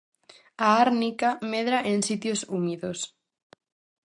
A árnica medra en sitios húmidos.